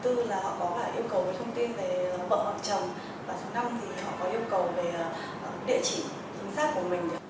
thứ tư là họ có yêu cầu thông tin về bậc hoặc chồng và thứ năm thì họ có yêu cầu về địa chỉ chính xác của mình